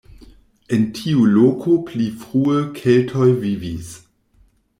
En tiu loko pli frue keltoj vivis.